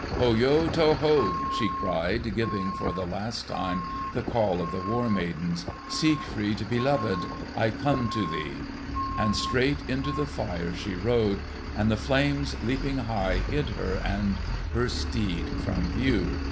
"Hoyo to ho!" she cried, giving for the last time the call of the War Maidens. "Siegfried, beloved, I come to thee!" And straight into the fire she rode, and the flames leaping high hid her and her steed from view.